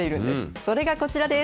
それがこちらです。